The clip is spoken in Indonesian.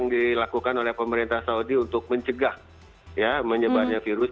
dilakukan oleh pemerintah saudi untuk mencegah menyebarnya virus